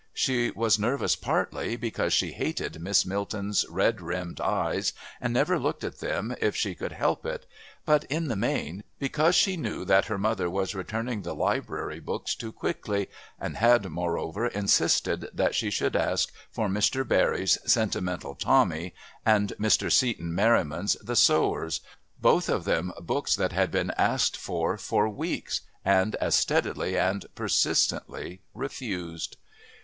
She was nervous partly because she hated Miss Milton's red rimmed eyes, and never looked at them if she could help it, but, in the main, because she knew that her mother was returning the Library books too quickly, and had, moreover, insisted that she should ask for Mr. Barrie's Sentimental Tommy and Mr. Seton Merriman's The Sowers, both of them books that had been asked for for weeks and as steadily and persistently refused.